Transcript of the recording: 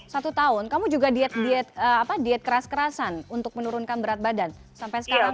satu tahun kamu juga diet keras kerasan untuk menurunkan berat badan sampai sekarang kak